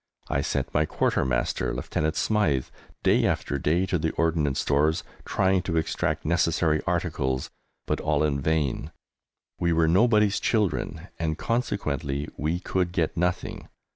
I sent my Quartermaster, Lieutenant Smythe, day after day, to the Ordnance Stores trying to extract necessary articles, but all in vain! We were nobody's children, and consequently we could get nothing.